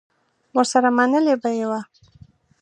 ورسره منلې به یې وه.